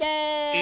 え